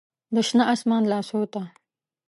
د شنه اسمان لاسو ته